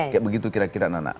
kayak begitu kira kira nana